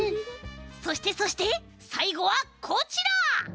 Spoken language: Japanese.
そしてそしてさいごはこちら！